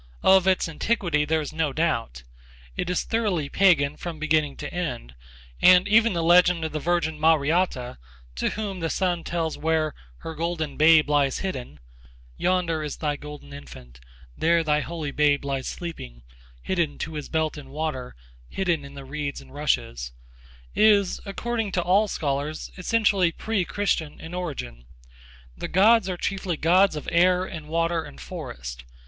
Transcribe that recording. Of its antiquity there is no doubt. It is thoroughly pagan from beginning to end, and even the legend of the Virgin Mariatta to whom the Sun tells where 'her golden babe lies hidden' Yonder is thy golden infant, There thy holy babe lies sleeping Hidden to his belt in water, Hidden in the reeds and rushes is, according to all scholars, essentially pre Christian in origin. The gods are chiefly gods of air and water and forest.